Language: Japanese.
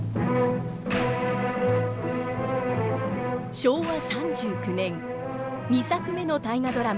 昭和３９年２作目の大河ドラマ